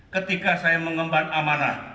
ketika saya mengemban amanah